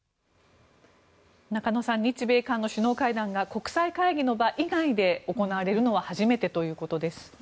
中野さん、日米韓の首脳会談が国際会議の場以外で行われるのは初めてということです。